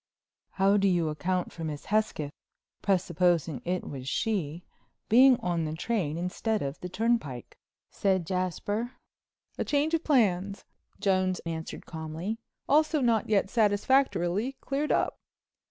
"How do you account for Miss Hesketh—presupposing it was she—being on the train instead of the turnpike?" said Jasper. "A change of plans," Jones answered calmly, "also not yet satisfactorily cleared up.